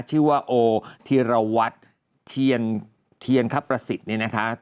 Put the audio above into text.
ชื่อว่าโอธีรวัตรเทียนคประสิทธิ์เนี่ยนะคะ